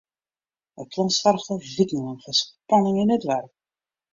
It plan soarget al wikenlang foar spanning yn it doarp.